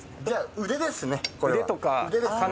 じゃあ腕ですねこれは。